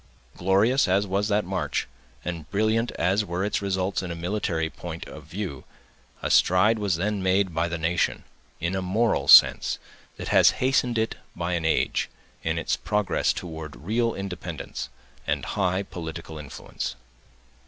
Glorious as was that march, and brilliant as were its results in a military point of view, a stride was then made by the nation, in a moral sense, that has hastened it by an age, in its progress toward real independence and high political influence.